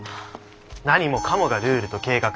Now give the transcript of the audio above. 何もかもがルールと計画。